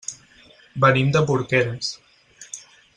Venim de Porqueres.